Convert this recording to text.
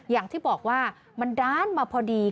อย่างที่บอกว่ามันด้านมาพอดี